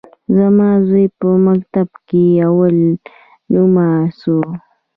زما زوى په مکتب کښي اول نؤمره سو.